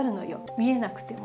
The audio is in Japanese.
見えなくても。